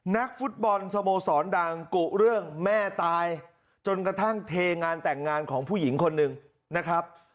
นักฟุตบอลสโมสรดังกุเรื่องแม่ตายจนกระทั่งเทงานแต่งงานของผู้หญิงคนหนึ่งนะครับ